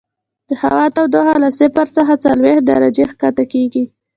د هوا تودوخه له صفر څخه څلوېښت درجې ښکته کیږي